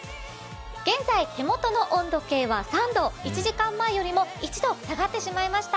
現在手元の温度計は３度、１時間前よりも１度下がってしまいました。